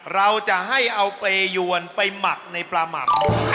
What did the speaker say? เราจะให้เอาเปรยวนไปหมักในปลาหมัก